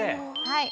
はい。